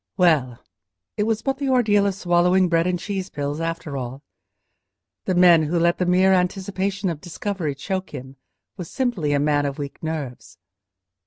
Well! it was but the ordeal of swallowing bread and cheese pills after all. The man who let the mere anticipation of discovery choke him was simply a man of weak nerves.